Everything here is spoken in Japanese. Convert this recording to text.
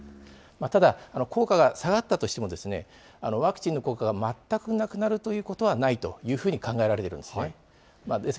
ただ、効果が下がったとしても、ワクチンの効果が全くなくなるということはないというふうに考えられているわけなんですね。